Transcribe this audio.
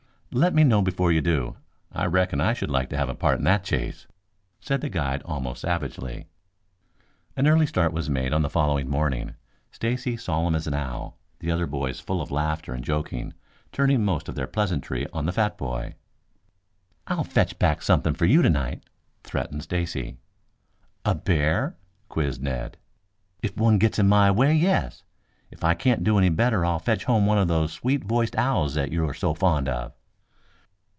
"Let me know before you do. I reckon I should like to have a part in that chase," said the guide almost savagely. An early start was made on the following morning, Stacy solemn as an owl, the other boys full of laughter and joking, turning most of their pleasantry on the fat boy. "I'll fetch back something for you tonight," threatened Stacy. "A bear?" quizzed Ned. "If one gets in my way, yes. If I can't do any better I'll fetch home one of those sweet voiced owls that you are so fond of."